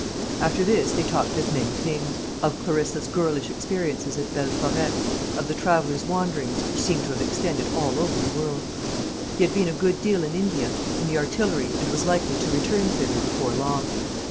After this, they talked of many things; of Clarissa's girlish experiences at Belforêt; of the traveller's wanderings, which seemed to have extended all over the world. He had been a good deal in India, in the Artillery, and was likely to return thither before long.